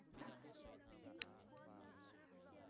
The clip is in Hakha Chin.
A mit a caw.